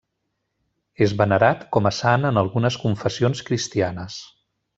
És venerat com a sant en algunes confessions cristianes.